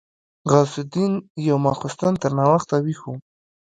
غوث الدين يو ماخستن تر ناوخته ويښ و.